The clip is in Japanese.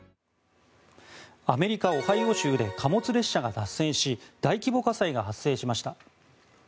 アメリカ・オハイオ州で貨物列車が脱線し大規模火災が発生しました。